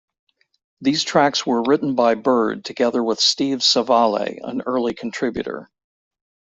These tracks were written by Bird together with Steve Savale, an early contributor.